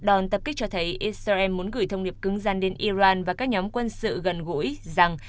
cơ kích cho thấy israel muốn gửi thông điệp cứng răn đến iran và các nhóm quân sự gần gũi rằng